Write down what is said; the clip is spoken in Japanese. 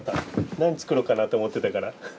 何作ろうかなと思ってたから。